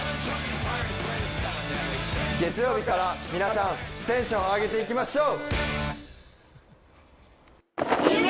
月曜日から皆さんテンション上げていきましょう！